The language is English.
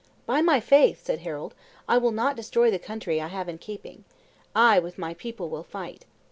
"By my faith," said Harold, "I will not destroy the country I have in keeping; I, with my people, will fight."